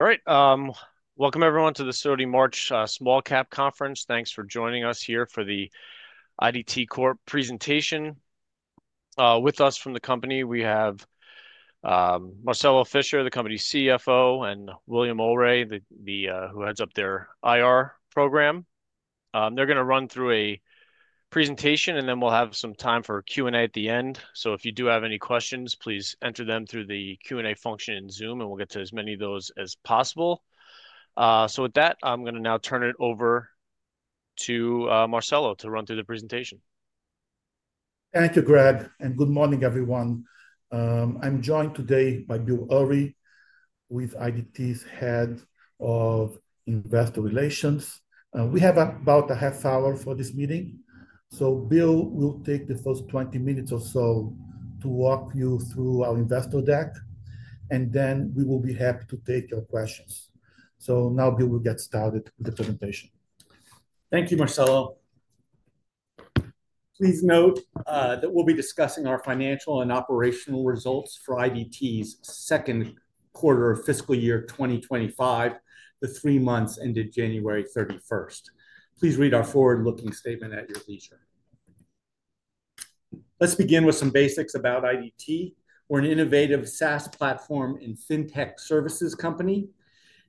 All right. Welcome, everyone, to the SOTI March Small Cap Conference. Thanks for joining us here for the IDT Corporation presentation. With us from the company, we have Marcelo Fischer, the company CFO, and Bill Ulrey, who heads up their IR program. They're going to run through a presentation, and then we'll have some time for Q&A at the end. If you do have any questions, please enter them through the Q&A function in Zoom, and we'll get to as many of those as possible. With that, I'm going to now turn it over to Marcelo to run through the presentation. Thank you, Greg, and good morning, everyone. I'm joined today by Bill Ulrey with IDT's head of investor relations. We have about a half hour for this meeting. Bill will take the first 20 minutes or so to walk you through our investor deck, and then we will be happy to take your questions. Now Bill will get started with the presentation. Thank you, Marcelo. Please note that we'll be discussing our financial and operational results for IDT's second quarter of fiscal year 2025, the three months ended January 31st. Please read our forward-looking statement at your leisure. Let's begin with some basics about IDT. We're an innovative SaaS platform and fintech services company.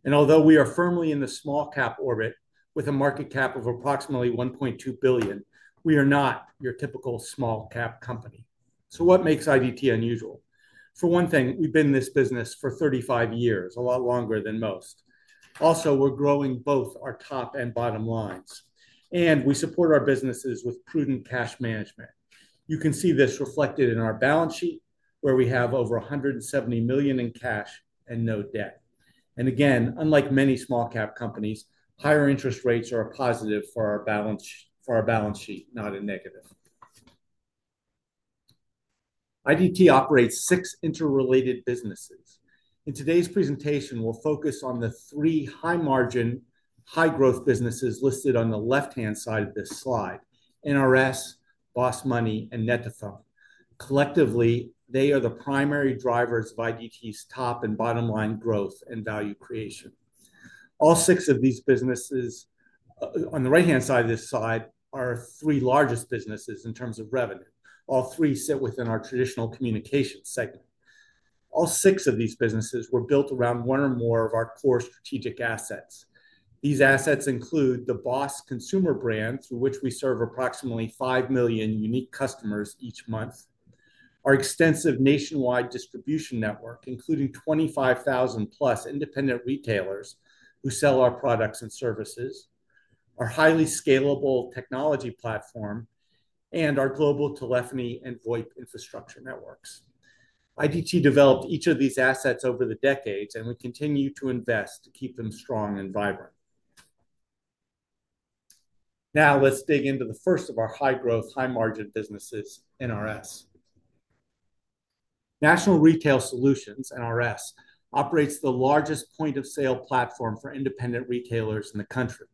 Although we are firmly in the small cap orbit with a market cap of approximately $1.2 billion, we are not your typical small cap company. What makes IDT unusual? For one thing, we've been in this business for 35 years, a lot longer than most. Also, we're growing both our top and bottom lines. We support our businesses with prudent cash management. You can see this reflected in our balance sheet, where we have over $170 million in cash and no debt. Unlike many small cap companies, higher interest rates are a positive for our balance sheet, not a negative. IDT operates six interrelated businesses. In today's presentation, we will focus on the three high-margin, high-growth businesses listed on the left-hand side of this slide: NRS, Boss Money, and net2phone. Collectively, they are the primary drivers of IDT's top and bottom line growth and value creation. The three businesses on the right-hand side of this slide are our three largest businesses in terms of revenue. All three sit within our traditional communication segment. All six of these businesses were built around one or more of our core strategic assets. These assets include the Boss consumer brand, through which we serve approximately 5 million unique customers each month, our extensive nationwide distribution network, including 25,000-plus independent retailers who sell our products and services, our highly scalable technology platform, and our global telephony and VoIP infrastructure networks. IDT developed each of these assets over the decades, and we continue to invest to keep them strong and vibrant. Now let's dig into the first of our high-growth, high-margin businesses, NRS. National Retail Solutions, NRS, operates the largest point-of-sale platform for independent retailers in the country.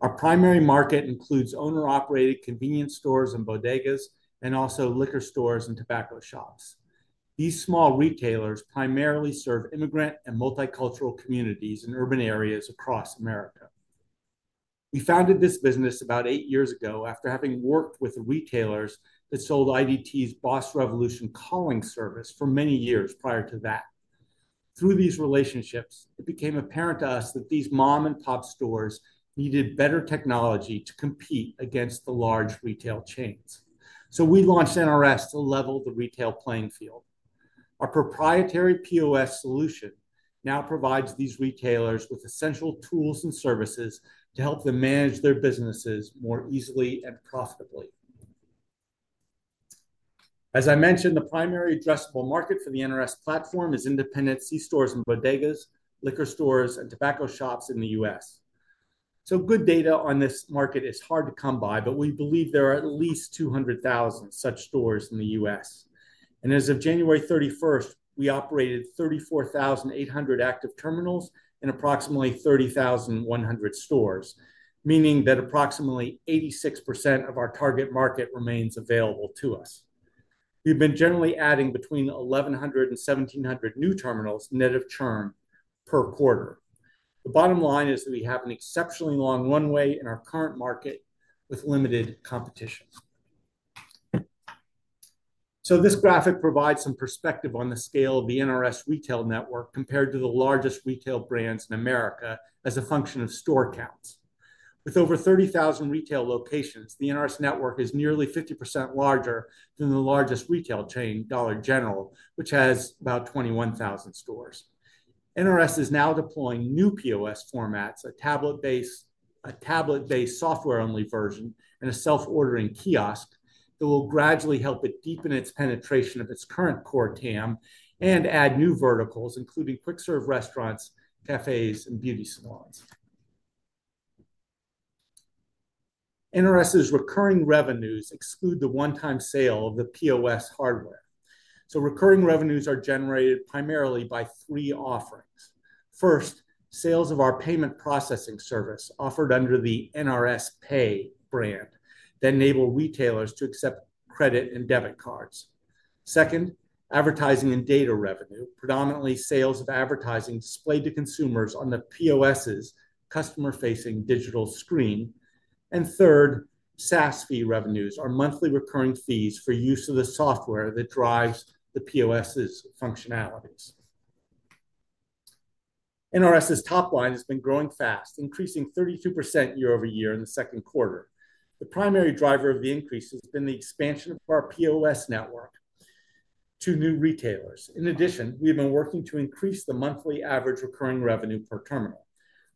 Our primary market includes owner-operated convenience stores and bodegas, and also liquor stores and tobacco shops. These small retailers primarily serve immigrant and multicultural communities in urban areas across America. We founded this business about eight years ago after having worked with retailers that sold IDT's Boss Revolution calling service for many years prior to that. Through these relationships, it became apparent to us that these mom-and-pop stores needed better technology to compete against the large retail chains. We launched NRS to level the retail playing field. Our proprietary POS solution now provides these retailers with essential tools and services to help them manage their businesses more easily and profitably. As I mentioned, the primary addressable market for the NRS platform is independent C-stores and bodegas, liquor stores, and tobacco shops in the US. Good data on this market is hard to come by, but we believe there are at least 200,000 such stores in the US. As of January 31, we operated 34,800 active terminals in approximately 30,100 stores, meaning that approximately 86% of our target market remains available to us. We've been generally adding between 1,100-1,700 new terminals, net of churn, per quarter. The bottom line is that we have an exceptionally long runway in our current market with limited competition. This graphic provides some perspective on the scale of the NRS retail network compared to the largest retail brands in America as a function of store counts. With over 30,000 retail locations, the NRS network is nearly 50% larger than the largest retail chain, Dollar General, which has about 21,000 stores. NRS is now deploying new POS formats, a tablet-based software-only version, and a self-ordering kiosk that will gradually help it deepen its penetration of its current core TAM and add new verticals, including quick-serve restaurants, cafes, and beauty salons. NRS's recurring revenues exclude the one-time sale of the POS hardware. Recurring revenues are generated primarily by three offerings. First, sales of our payment processing service offered under the NRS Pay brand that enables retailers to accept credit and debit cards. Second, advertising and data revenue, predominantly sales of advertising displayed to consumers on the POS's customer-facing digital screen. Third, SaaS fee revenues, our monthly recurring fees for use of the software that drives the POS's functionalities. NRS's top line has been growing fast, increasing 32% year over year in the second quarter. The primary driver of the increase has been the expansion of our POS network to new retailers. In addition, we have been working to increase the monthly average recurring revenue per terminal.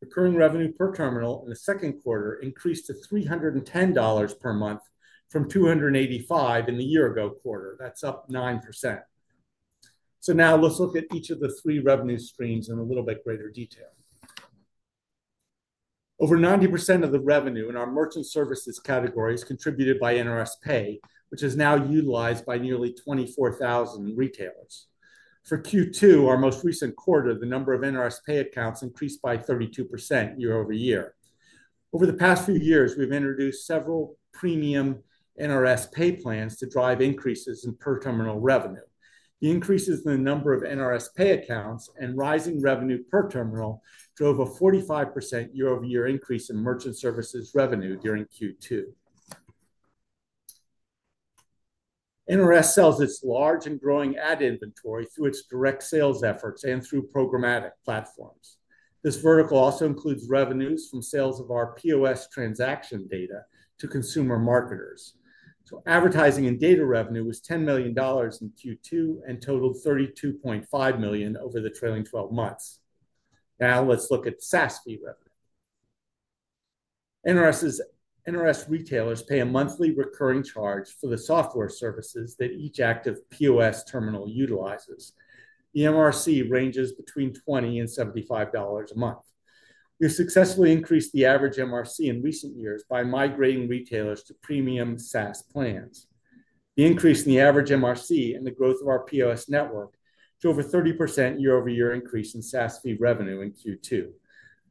Recurring revenue per terminal in the second quarter increased to $310 per month from $285 in the year-ago quarter. That's up 9%. Now let's look at each of the three revenue streams in a little bit greater detail. Over 90% of the revenue in our merchant services category is contributed by NRS Pay, which is now utilized by nearly 24,000 retailers. For Q2, our most recent quarter, the number of NRS Pay accounts increased by 32% year over year. Over the past few years, we've introduced several premium NRS Pay plans to drive increases in per-terminal revenue. The increases in the number of NRS Pay accounts and rising revenue per terminal drove a 45% year-over-year increase in merchant services revenue during Q2. NRS sells its large and growing ad inventory through its direct sales efforts and through programmatic platforms. This vertical also includes revenues from sales of our POS transaction data to consumer marketers. Advertising and data revenue was $10 million in Q2 and totaled $32.5 million over the trailing 12 months. Now let's look at SaaS fee revenue. NRS retailers pay a monthly recurring charge for the software services that each active POS terminal utilizes. The MRC ranges between $20 and $75 a month. We've successfully increased the average MRC in recent years by migrating retailers to premium SaaS plans. The increase in the average MRC and the growth of our POS network drove a 30% year-over-year increase in SaaS fee revenue in Q2.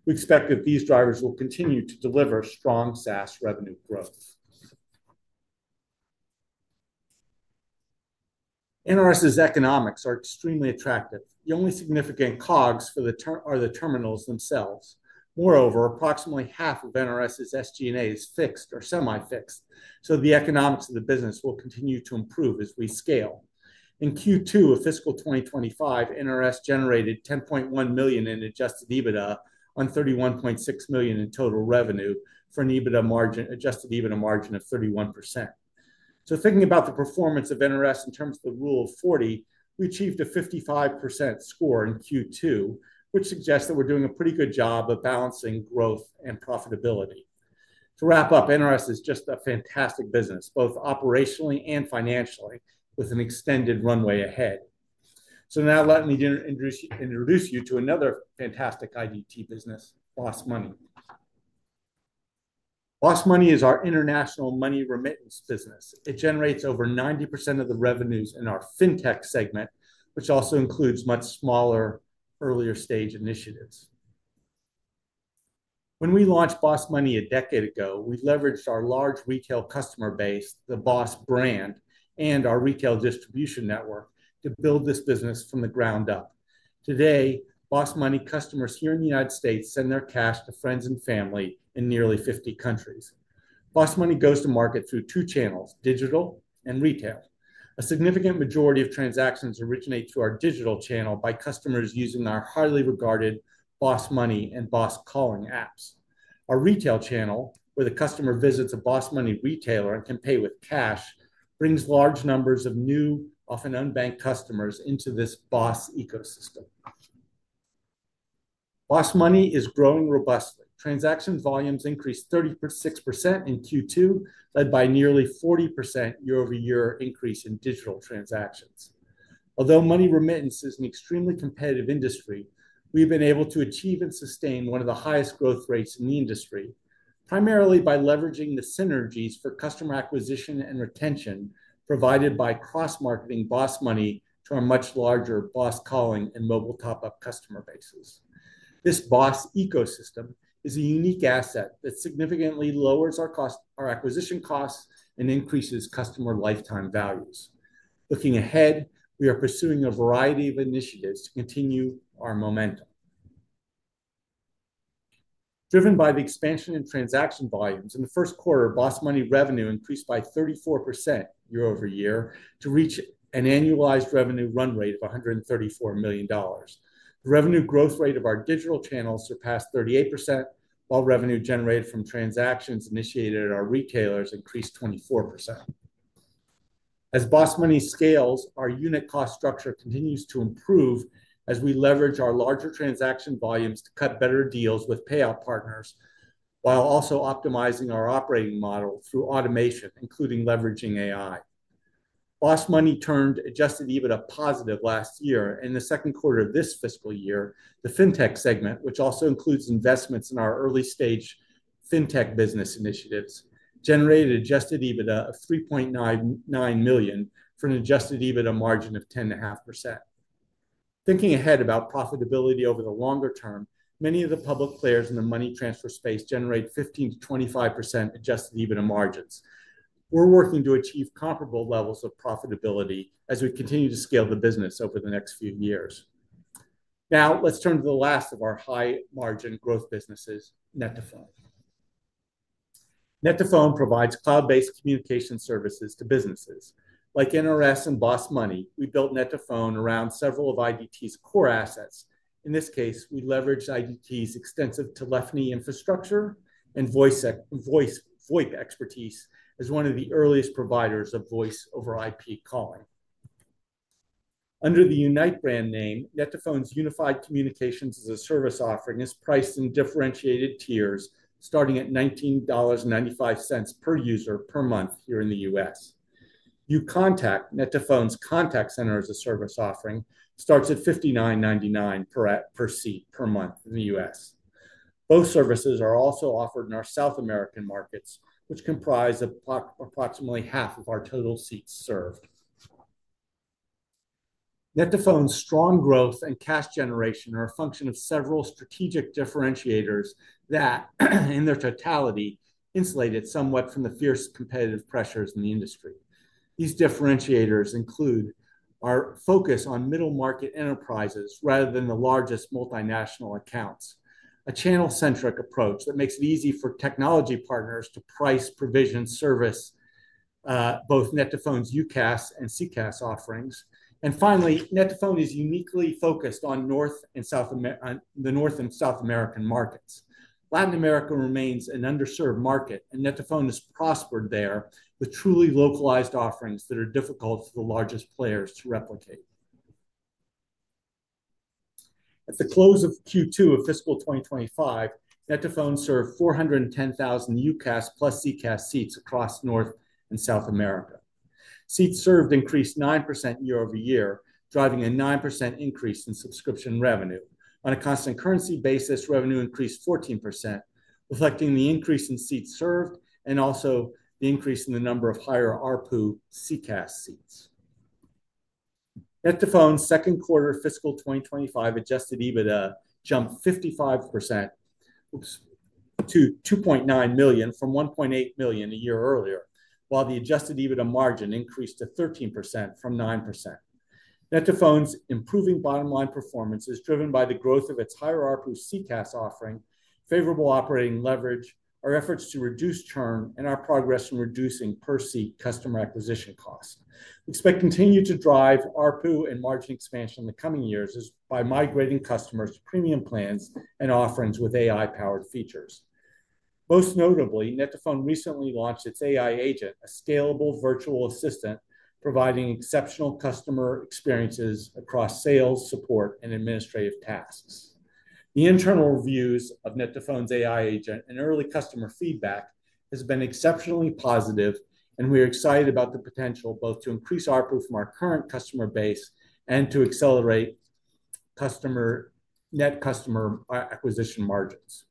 We expect that these drivers will continue to deliver strong SaaS revenue growth. NRS's economics are extremely attractive. The only significant COGS for the terminals themselves. Moreover, approximately half of NRS's SG&A is fixed or semi-fixed. The economics of the business will continue to improve as we scale. In Q2 of fiscal 2025, NRS generated $10.1 million in adjusted EBITDA on $31.6 million in total revenue for an adjusted EBITDA margin of 31%. Thinking about the performance of NRS in terms of the rule of 40, we achieved a 55% score in Q2, which suggests that we're doing a pretty good job of balancing growth and profitability. To wrap up, NRS is just a fantastic business, both operationally and financially, with an extended runway ahead. Now let me introduce you to another fantastic IDT business, Boss Money. Boss Money is our international money remittance business. It generates over 90% of the revenues in our fintech segment, which also includes much smaller, earlier-stage initiatives. When we launched Boss Money a decade ago, we leveraged our large retail customer base, the Boss brand, and our retail distribution network to build this business from the ground up. Today, Boss Money customers here in the United States send their cash to friends and family in nearly 50 countries. Boss Money goes to market through two channels, digital and retail. A significant majority of transactions originate through our digital channel by customers using our highly regarded Boss Money and Boss Calling apps. Our retail channel, where the customer visits a Boss Money retailer and can pay with cash, brings large numbers of new, often unbanked customers into this Boss ecosystem. Boss Money is growing robustly. Transaction volumes increased 36% in Q2, led by a nearly 40% year-over-year increase in digital transactions. Although money remittance is an extremely competitive industry, we've been able to achieve and sustain one of the highest growth rates in the industry, primarily by leveraging the synergies for customer acquisition and retention provided by cross-marketing Boss Money to our much larger Boss Calling and mobile top-up customer bases. This Boss ecosystem is a unique asset that significantly lowers our acquisition costs and increases customer lifetime values. Looking ahead, we are pursuing a variety of initiatives to continue our momentum. Driven by the expansion in transaction volumes, in the first quarter, Boss Money revenue increased by 34% year-over-year to reach an annualized revenue run rate of $134 million. The revenue growth rate of our digital channel surpassed 38%, while revenue generated from transactions initiated at our retailers increased 24%. As Boss Money scales, our unit cost structure continues to improve as we leverage our larger transaction volumes to cut better deals with payout partners, while also optimizing our operating model through automation, including leveraging AI. Boss Money turned adjusted EBITDA positive last year, and in the second quarter of this fiscal year, the fintech segment, which also includes investments in our early-stage fintech business initiatives, generated adjusted EBITDA of $3.9 million for an adjusted EBITDA margin of 10.5%. Thinking ahead about profitability over the longer term, many of the public players in the money transfer space generate 15%-25% adjusted EBITDA margins. We're working to achieve comparable levels of profitability as we continue to scale the business over the next few years. Now let's turn to the last of our high-margin growth businesses, net2phone. net2phone provides cloud-based communication services to businesses. Like NRS and Boss Money, we built net2phone around several of IDT's core assets. In this case, we leveraged IDT's extensive telephony infrastructure and VoIP expertise as one of the earliest providers of voice over IP calling. Under the Unite brand name, net2phone's unified communications as a service offering is priced in differentiated tiers, starting at $19.95 per user per month here in the US. net2phone's contact center as a service offering starts at $59.99 per seat per month in the US. Both services are also offered in our South American markets, which comprise approximately half of our total seats served. net2phone's strong growth and cash generation are a function of several strategic differentiators that, in their totality, insulate it somewhat from the fierce competitive pressures in the industry. These differentiators include our focus on middle market enterprises rather than the largest multinational accounts, a channel-centric approach that makes it easy for technology partners to price provision service both net2phone's UCaaS and CCaaS offerings. Finally, net2phone is uniquely focused on the North and South American markets. Latin America remains an underserved market, and net2phone has prospered there with truly localized offerings that are difficult for the largest players to replicate. At the close of Q2 of fiscal 2025, net2phone served 410,000 UCaaS plus CCaaS seats across North and South America. Seats served increased 9% year-over-year, driving a 9% increase in subscription revenue. On a constant currency basis, revenue increased 14%, reflecting the increase in seats served and also the increase in the number of higher RPU CCaaS seats. net2phone's second quarter of fiscal 2025 adjusted EBITDA jumped 55% to $2.9 million from $1.8 million a year earlier, while the adjusted EBITDA margin increased to 13% from 9%. net2phone's improving bottom line performance is driven by the growth of its higher RPU CCaaS offering, favorable operating leverage, our efforts to reduce churn, and our progress in reducing per seat customer acquisition costs. We expect to continue to drive RPU and margin expansion in the coming years by migrating customers to premium plans and offerings with AI-powered features. Most notably, net2phone recently launched its AI Agent, a scalable virtual assistant, providing exceptional customer experiences across sales, support, and administrative tasks. The internal reviews of net2phone's AI Agent and early customer feedback have been exceptionally positive, and we are excited about the potential both to increase RPU from our current customer base and to accelerate net customer acquisition margins.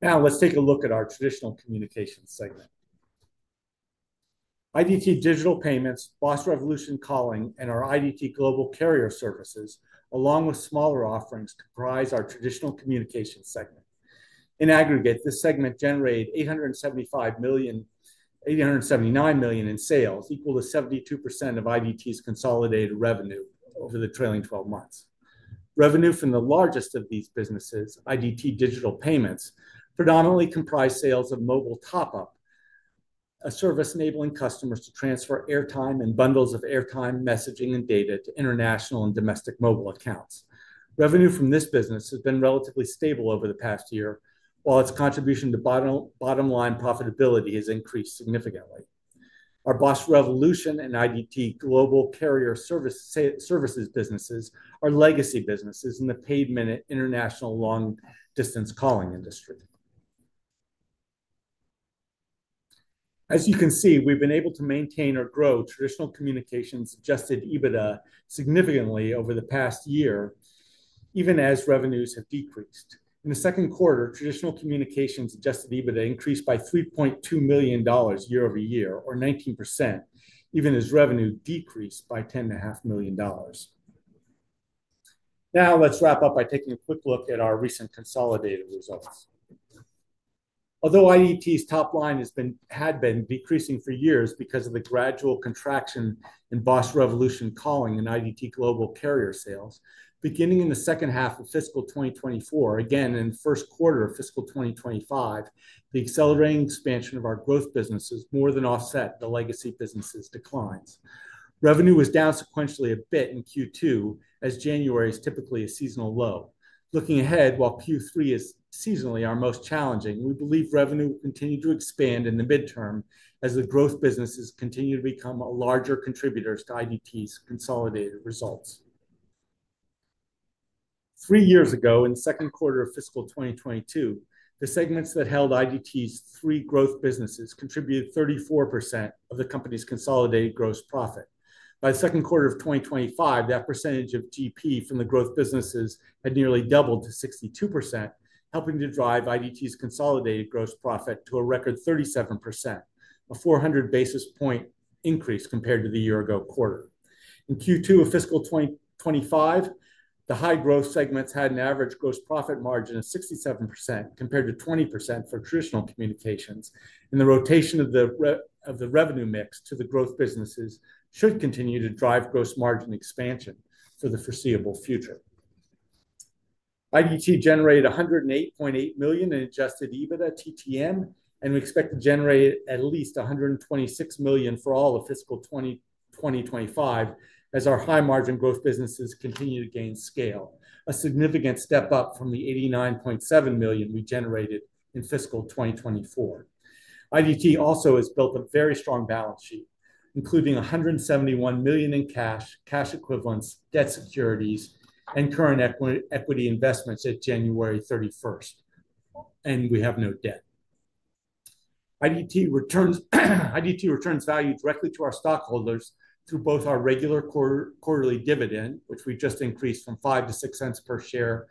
Now let's take a look at our traditional communication segment. IDT Digital Payments, Boss Revolution Calling, and our IDT Global carrier services, along with smaller offerings, comprise our traditional communication segment. In aggregate, this segment generated $879 million in sales, equal to 72% of IDT's consolidated revenue over the trailing 12 months. Revenue from the largest of these businesses, IDT Digital Payments, predominantly comprised sales of Mobile Top-Up, a service enabling customers to transfer airtime and bundles of airtime messaging and data to international and domestic mobile accounts. Revenue from this business has been relatively stable over the past year, while its contribution to bottom line profitability has increased significantly. Our Boss Revolution and IDT Global carrier services businesses are legacy businesses in the paid minute international long-distance calling industry. As you can see, we've been able to maintain or grow traditional communications adjusted EBITDA significantly over the past year, even as revenues have decreased. In the second quarter, traditional communications adjusted EBITDA increased by $3.2 million year-over-year, or 19%, even as revenue decreased by $10.5 million. Now let's wrap up by taking a quick look at our recent consolidated results. Although IDT's top line had been decreasing for years because of the gradual contraction in Boss Revolution Calling and IDT Global carrier sales, beginning in the second half of fiscal 2024, again in the first quarter of fiscal 2025, the accelerating expansion of our growth businesses more than offset the legacy businesses' declines. Revenue was down sequentially a bit in Q2, as January is typically a seasonal low. Looking ahead, while Q3 is seasonally our most challenging, we believe revenue will continue to expand in the midterm as the growth businesses continue to become larger contributors to IDT's consolidated results. Three years ago, in the second quarter of fiscal 2022, the segments that held IDT's three growth businesses contributed 34% of the company's consolidated gross profit. By the second quarter of 2025, that percentage of GP from the growth businesses had nearly doubled to 62%, helping to drive IDT's consolidated gross profit to a record 37%, a 400 basis point increase compared to the year-ago quarter. In Q2 of fiscal 2025, the high growth segments had an average gross profit margin of 67% compared to 20% for traditional communications, and the rotation of the revenue mix to the growth businesses should continue to drive gross margin expansion for the foreseeable future. IDT generated $108.8 million in adjusted EBITDA TTM, and we expect to generate at least $126 million for all of fiscal 2025 as our high-margin growth businesses continue to gain scale, a significant step up from the $89.7 million we generated in fiscal 2024. IDT also has built a very strong balance sheet, including $171 million in cash, cash equivalents, debt securities, and current equity investments at January 31, and we have no debt. IDT returns value directly to our stockholders through both our regular quarterly dividend, which we just increased from $0.05 to $0.06 per share,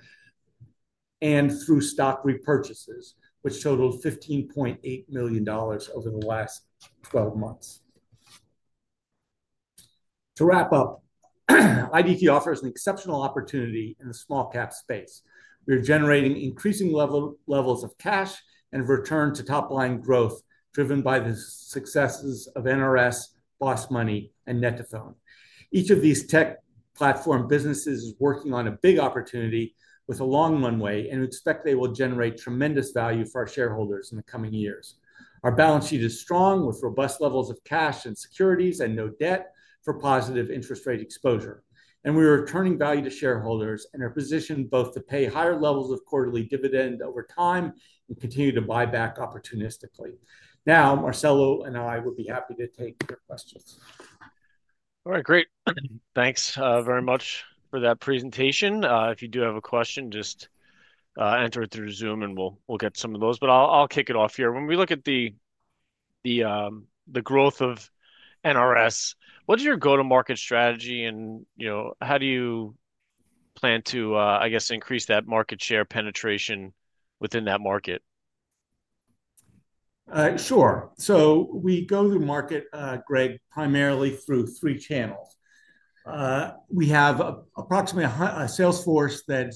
and through stock repurchases, which totaled $15.8 million over the last 12 months. To wrap up, IDT offers an exceptional opportunity in the small cap space. We are generating increasing levels of cash and return to top-line growth driven by the successes of NRS, Boss Money, and net2phone. Each of these tech platform businesses is working on a big opportunity with a long runway, and we expect they will generate tremendous value for our shareholders in the coming years. Our balance sheet is strong with robust levels of cash and securities and no debt for positive interest rate exposure. We are returning value to shareholders and are positioned both to pay higher levels of quarterly dividend over time and continue to buy back opportunistically. Now, Marcelo and I would be happy to take your questions. All right, great. Thanks very much for that presentation. If you do have a question, just enter it through Zoom and we'll get some of those. I'll kick it off here. When we look at the growth of NRS, what's your go-to-market strategy and how do you plan to, I guess, increase that market share penetration within that market? Sure. We go to the market, Greg, primarily through three channels. We have approximately a sales force that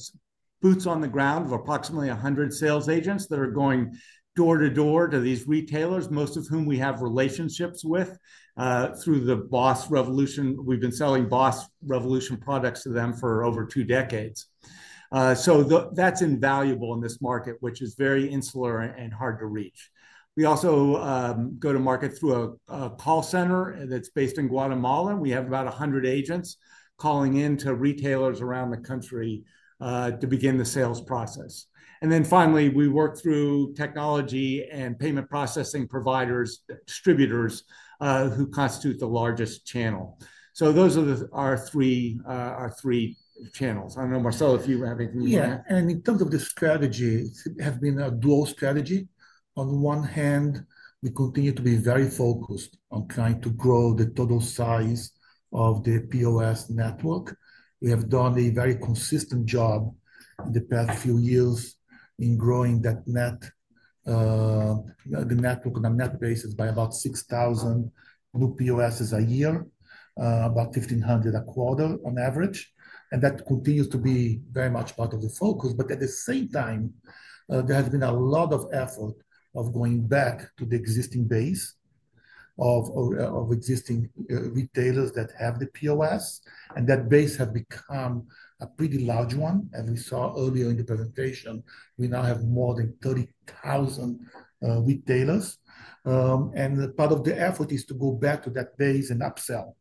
boots on the ground of approximately 100 sales agents that are going door to door to these retailers, most of whom we have relationships with. Through the Boss Revolution, we've been selling Boss Revolution products to them for over two decades. That is invaluable in this market, which is very insular and hard to reach. We also go to market through a call center that's based in Guatemala. We have about 100 agents calling in to retailers around the country to begin the sales process. Finally, we work through technology and payment processing providers, distributors who constitute the largest channel. Those are our three channels. I don't know, Marcelo, if you have anything to add. Yeah. In terms of the strategy, it has been a dual strategy. On the one hand, we continue to be very focused on trying to grow the total size of the POS network. We have done a very consistent job in the past few years in growing the network on a net basis by about 6,000 new POSs a year, about 1,500 a quarter on average. That continues to be very much part of the focus. At the same time, there has been a lot of effort of going back to the existing base of existing retailers that have the POS. That base has become a pretty large one. As we saw earlier in the presentation, we now have more than 30,000 retailers. Part of the effort is to go back to that base and upsell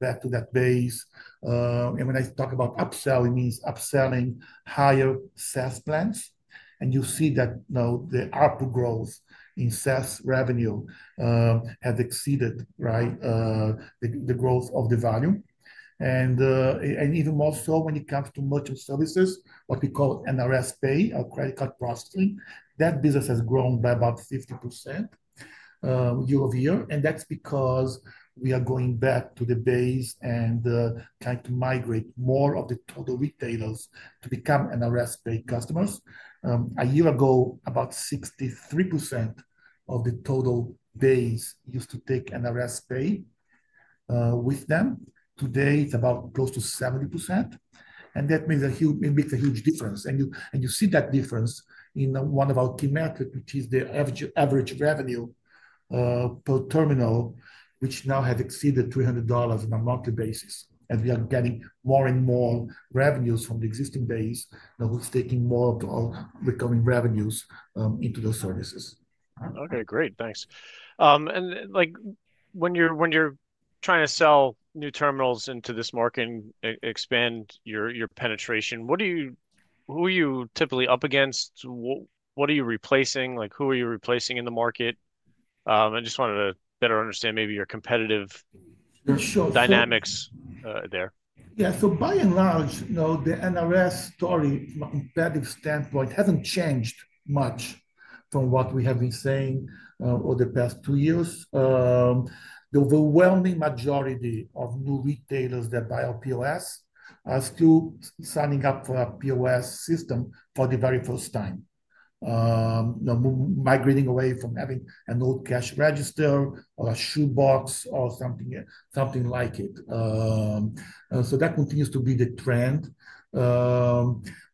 back to that base. When I talk about upsell, it means upselling higher SaaS plans. You see that the RPU growth in SaaS revenue has exceeded the growth of the value. Even more so when it comes to merchant services, what we call NRS Pay, our credit card processing, that business has grown by about 50% year-over-year. That is because we are going back to the base and trying to migrate more of the total retailers to become NRS Pay customers. A year ago, about 63% of the total base used to take NRS Pay with them. Today, it is about close to 70%. That makes a huge difference. You see that difference in one of our key metrics, which is the average revenue per terminal, which now has exceeded $300 on a monthly basis. We are getting more and more revenues from the existing base that we're taking more of our recurring revenues into those services. Okay, great. Thanks. When you're trying to sell new terminals into this market and expand your penetration, who are you typically up against? What are you replacing? Who are you replacing in the market? I just wanted to better understand maybe your competitive dynamics there. Yeah. By and large, the NRS story from a competitive standpoint hasn't changed much from what we have been saying over the past two years. The overwhelming majority of new retailers that buy our POS are still signing up for our POS system for the very first time, migrating away from having an old cash register or a shoebox or something like it. That continues to be the trend.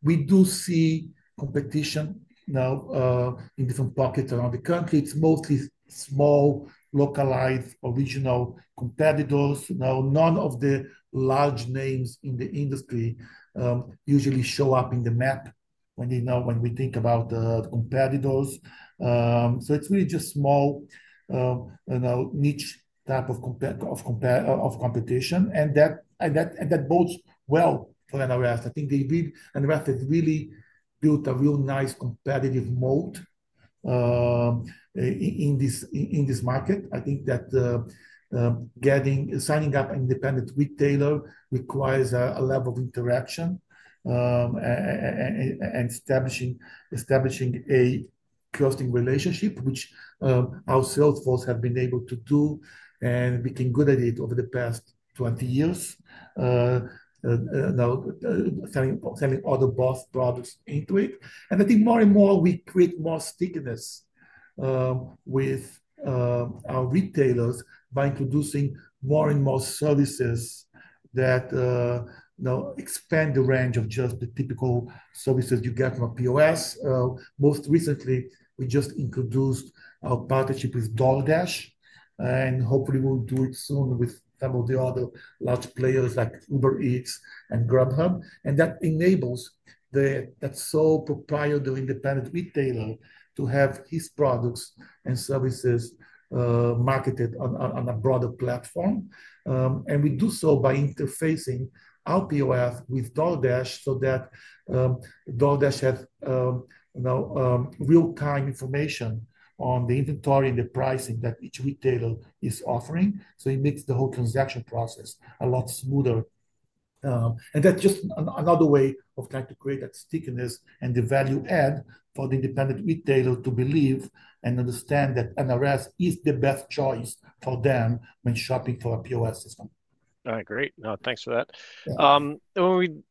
We do see competition now in different pockets around the country. It's mostly small, localized, original competitors. None of the large names in the industry usually show up in the map when we think about the competitors. It's really just small, niche type of competition. That bodes well for NRS. I think NRS has really built a real nice competitive moat in this market. I think that signing up an independent retailer requires a level of interaction and establishing a trusting relationship, which our sales force has been able to do and become good at it over the past 20 years, selling other Boss products into it. I think more and more we create more stickiness with our retailers by introducing more and more services that expand the range of just the typical services you get from a POS. Most recently, we just introduced our partnership with DoorDash, and hopefully we'll do it soon with some of the other large players like Uber Eats and Grubhub. That enables that sole proprietor independent retailer to have his products and services marketed on a broader platform. We do so by interfacing our POS with DoorDash so that DoorDash has real-time information on the inventory and the pricing that each retailer is offering. It makes the whole transaction process a lot smoother. That is just another way of trying to create that stickiness and the value add for the independent retailer to believe and understand that NRS is the best choice for them when shopping for a POS system. All right, great. Thanks for that. When we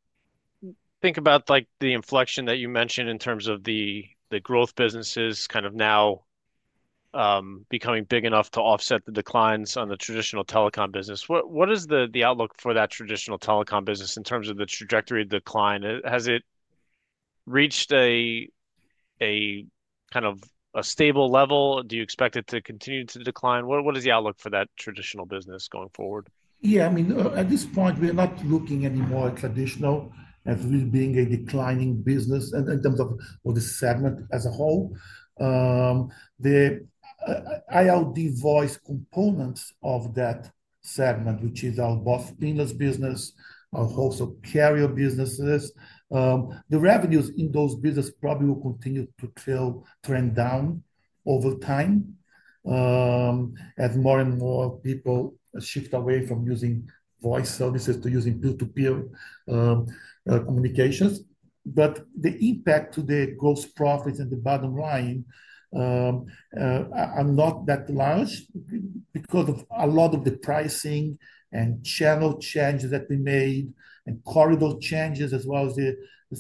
think about the inflection that you mentioned in terms of the growth businesses kind of now becoming big enough to offset the declines on the traditional telecom business, what is the outlook for that traditional telecom business in terms of the trajectory of decline? Has it reached a kind of a stable level? Do you expect it to continue to decline? What is the outlook for that traditional business going forward? Yeah. I mean, at this point, we are not looking anymore at traditional as being a declining business in terms of the segment as a whole. The IoT voice components of that segment, which is our Boss Pinners business, our host of carrier businesses, the revenues in those businesses probably will continue to trend down over time as more and more people shift away from using voice services to using peer-to-peer communications. The impact to the gross profits and the bottom line are not that large because of a lot of the pricing and channel changes that we made and corridor changes as well as the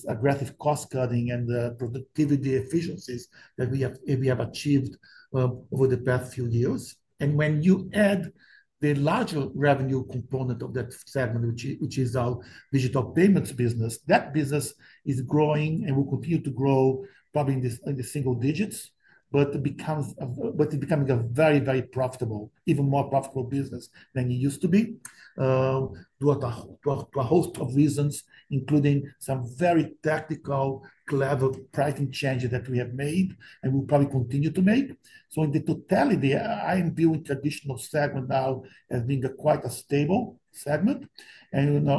aggressive cost cutting and the productivity efficiencies that we have achieved over the past few years. When you add the larger revenue component of that segment, which is our digital payments business, that business is growing and will continue to grow probably in the single digits, but it is becoming a very, very profitable, even more profitable business than it used to be due to a host of reasons, including some very tactical, clever pricing changes that we have made and will probably continue to make. In the totality, IMPO traditional segment now has been quite a stable segment and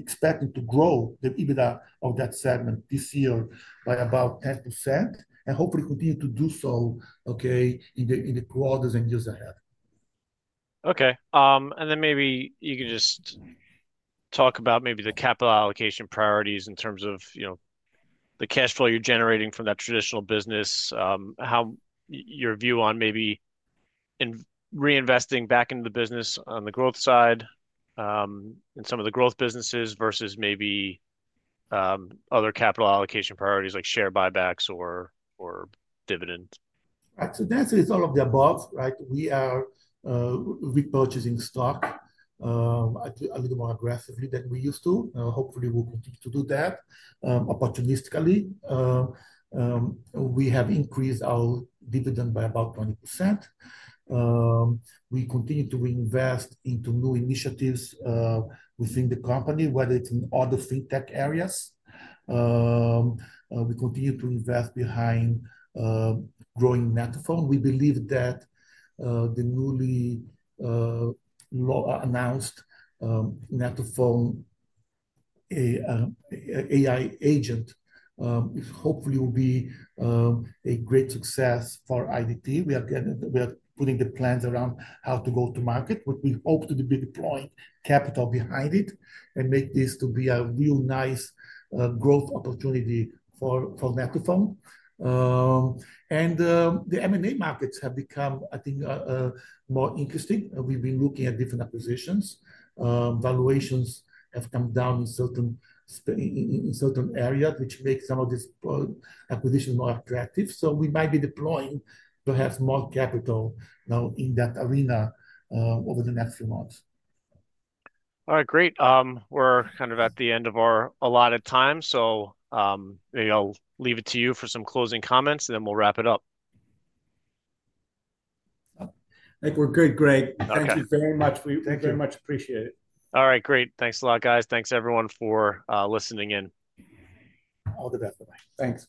expecting to grow the EBITDA of that segment this year by about 10% and hopefully continue to do so, okay, in the quarters and years ahead. Okay. Maybe you can just talk about maybe the capital allocation priorities in terms of the cash flow you're generating from that traditional business, your view on maybe reinvesting back into the business on the growth side and some of the growth businesses versus maybe other capital allocation priorities like share buybacks or dividends. Right. That is all of the above, right? We are repurchasing stock a little more aggressively than we used to. Hopefully, we'll continue to do that opportunistically. We have increased our dividend by about 20%. We continue to invest into new initiatives within the company, whether it's in other fintech areas. We continue to invest behind growing net2phone. We believe that the newly announced net2phone AI Agent hopefully will be a great success for IDT. We are putting the plans around how to go to market, which we hope to be deploying capital behind it and make this to be a real nice growth opportunity for net2phone. The M&A markets have become, I think, more interesting. We've been looking at different acquisitions. Valuations have come down in certain areas, which makes some of these acquisitions more attractive. We might be deploying perhaps more capital now in that arena over the next few months. All right, great. We're kind of at the end of our allotted time. I'll leave it to you for some closing comments, and then we'll wrap it up. Thank you. We're good, Greg. Thank you very much. We very much appreciate it. All right, great. Thanks a lot, guys. Thanks, everyone, for listening in. All the best. Bye-bye. Thanks.